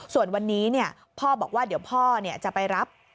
ส่วนวันนี้พ่อบอกว่าเดี๋ยวพ่อจะไปรับ